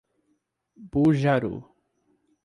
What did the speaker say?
Bujaru